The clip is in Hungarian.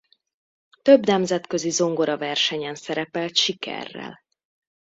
Több nemzetközi zongoraversenyen szerepelt sikerrel.